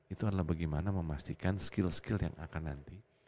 itu adalah bagaimana memastikan skill skill yang akan nanti